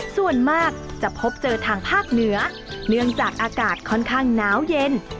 ส่วนมากจะพบเจอทางภาคเหนือเนื่องจากอากาศค่อนข้างหนาวเย็น